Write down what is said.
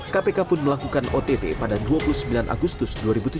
kpk pun melakukan ott pada dua puluh sembilan agustus dua ribu tujuh belas